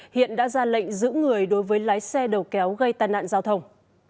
hiện đã ra lệnh giữ người đối với lái xe đầu kéo gây tai nạn giao thông